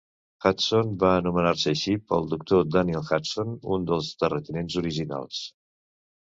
Hudson va anomenar-se així pel doctor Daniel Hudson, un dels terratinents originals.